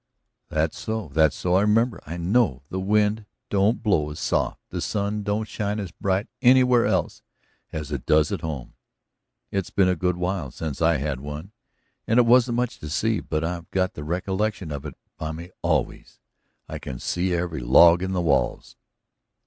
"That's so, that's so. I remember, I know. The wind don't blow as soft, the sun don't shine as bright, anywhere else as it does at home. It's been a good while since I had one, and it wasn't much to see, but I've got the recollection of it by me always I can see every log in the walls."